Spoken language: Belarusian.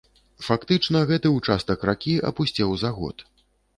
Фактычна гэты ўчастак ракі апусцеў за год.